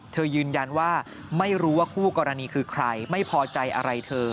ยืนยันว่าไม่รู้ว่าคู่กรณีคือใครไม่พอใจอะไรเธอ